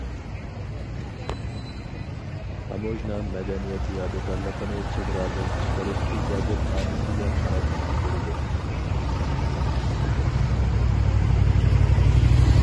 تاموژنا مەدەنىيەت يادىكارلىقىنى چېگرادىن چىقىرىش ئىجازەتنامىسىگە قاراپ ماڭدۇرىدۇ.